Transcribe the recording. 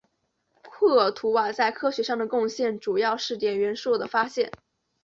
库尔图瓦在科学上的贡献主要是碘元素的发现。